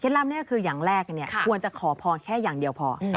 ล่ำนี้ก็คืออย่างแรกควรจะขอพรแค่อย่างเดียวพอ